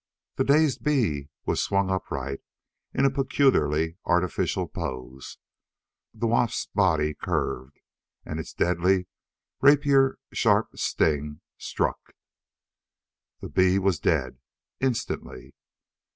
The dazed bee was swung upright in a peculiarly artificial pose. The wasp's body curved, and its deadly, rapier sharp sting struck.... The bee was dead. Instantly.